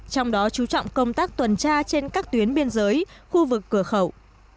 trong đó chú trọng công tác tuần tra trên các tuyến biên giới khu vực cửa khẩu